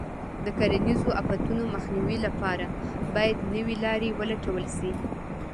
د کرنیزو آفتونو مخنیوي لپاره باید نوې لارې ولټول شي.